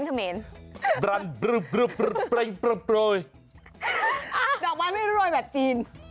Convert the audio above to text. ดอกบานไม่รู้รวยแบบจีน